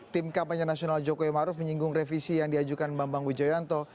tim kampanye nasional jokowi maruf menyinggung revisi yang diajukan bambang wijoyanto